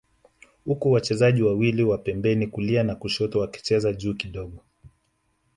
huku wachezaji wawili wa pembeni kulia na kushoto wakicheza juu kidogo